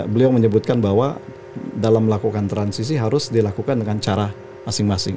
beliau menyebutkan bahwa dalam melakukan transisi harus dilakukan dengan cara masing masing